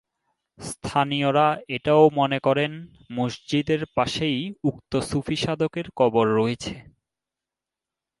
স্থানীয়রা এটাও মনে করেন মসজিদের পাশেই উক্ত সুফি সাধকের কবর রয়েছে।